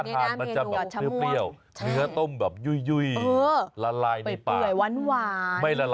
แล้วเราจะสรุปภาคที่นั้น